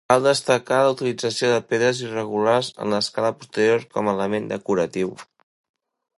Cal destacar la utilització de pedres irregulars en l'escala posterior com a element decoratiu.